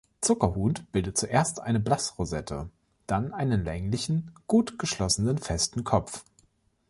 Zuckerhut bildet zuerst eine Blattrosette, dann einen länglichen, gut geschlossenen, festen Kopf.